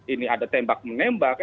ini ada tembak menembak